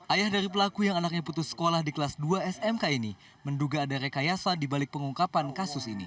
ayah dari pelaku yang anaknya putus sekolah di kelas dua smk ini menduga ada rekayasa dibalik pengungkapan kasus ini